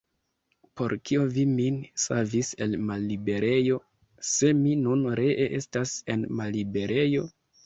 Por kio vi min savis el malliberejo, se mi nun ree estas en malliberejo?